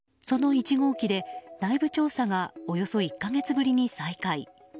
その１号機で、内部調査がおよそ１か月ぶりに再開。